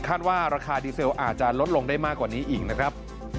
ว่าราคาดีเซลอาจจะลดลงได้มากกว่านี้อีกนะครับ